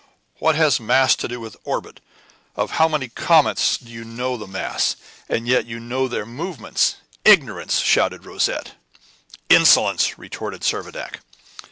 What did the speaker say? "What has mass to do with the orbit? Of how many comets do you know the mass, and yet you know their movements? Ignorance!" shouted Rosette. "Insolence!" retorted Servadac.